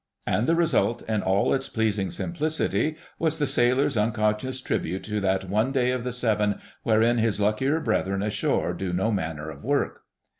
And the result, in all its pleasing simplicity, was the sailor's unconscious tribute to that one day of the seven wherein his luckier brethren ashore do no manner of work.